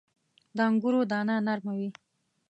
• د انګورو دانه نرمه وي.